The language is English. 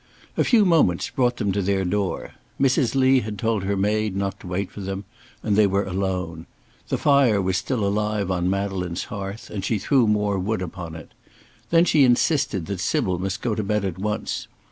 A few moments brought them to their door. Mrs. Lee had told her maid not to wait for them, and they were alone. The fire was still alive on Madeleine's hearth, and she threw more wood upon it. Then she insisted that Sybil must go to bed at once.